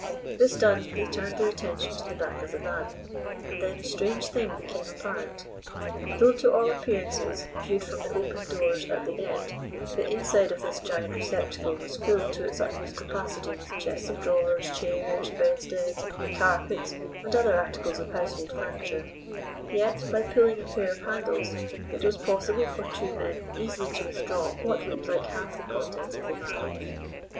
This done, they turned their attention to the back of the van, and then a strange thing became apparent. Though to all appearances, viewed from the open doors at the end, the inside of this giant receptacle was filled to its utmost capacity with chests of drawers, chairs, bedsteads, carpets, and other articles of household furniture, yet by pulling a pair of handles it was possible for two men easily to withdraw what looked like half the contents of the van.